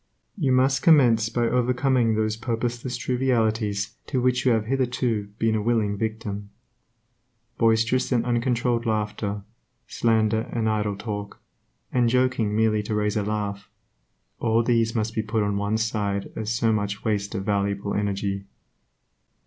You must commence by overcoming those purposeless trivialities to which you have hitherto been a willing victim. Boisterous and uncontrolled laughter, slander and idle talk, and joking merely to raise a laugh, all these things must be put on one side as so much waste of valuable energy.